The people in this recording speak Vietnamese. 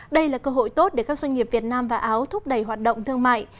đây là cơ hội tốt để các doanh nghiệp việt nam và áo thúc đẩy hoạt động thương mại